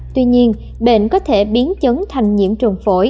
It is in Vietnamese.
tuy nhiên bệnh có thể biến chấn thành bệnh nặng